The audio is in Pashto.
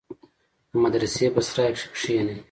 د مدرسې په سراى کښې کښېني.